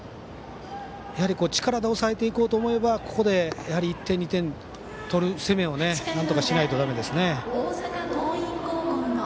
やはり力で抑えていこうと思えばここで１点、２点取る攻めをなんとかしないと、だめですね。